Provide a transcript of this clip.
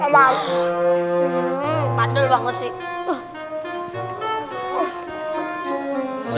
badal banget sih